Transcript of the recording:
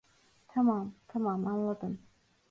Tamam, tamam, anladım.